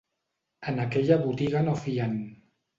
En aquella botiga no fien.